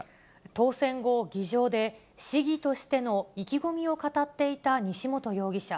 当選後、議場で、市議としての意気込みを語っていた西本容疑者。